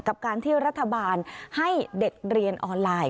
กับการที่รัฐบาลให้เด็กเรียนออนไลน์